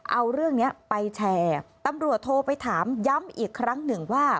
เอาเรื่องนี้ไปแชร์ตำรวจโทรไปถามย้ำอีกครั้งหนึ่งว่า